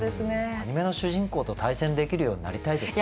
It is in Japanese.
アニメの主人公と対戦できるようになりたいですね。